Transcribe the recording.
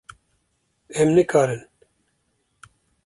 Em nikarin.